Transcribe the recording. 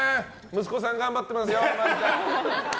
息子さん、頑張ってますよ。